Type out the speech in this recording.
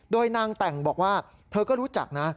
โดยนางแต่งบอกว่าเธอก็รู้จักนะ